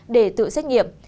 để tự xét nghiệm